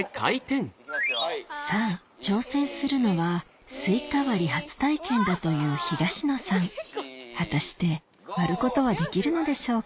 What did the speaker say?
さぁ挑戦するのはスイカ割り初体験だという東野さん果たして割ることはできるのでしょうか？